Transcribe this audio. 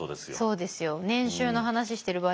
そうですよ。